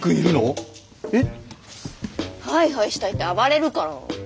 ハイハイしたいって暴れるから。